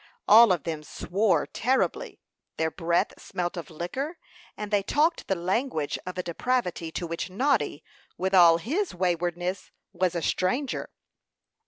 All of them swore terribly; their breath smelt of liquor, and they talked the language of a depravity to which Noddy, with all his waywardness, was a stranger.